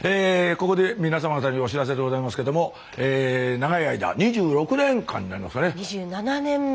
ここで皆様方にお知らせでございますけども長い間２６年間になりますかね？